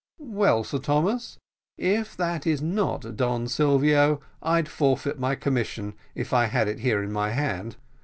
"Well, Sir Thomas, if that is not Don Silvio, I'd forfeit my commission if I had it here in my hand.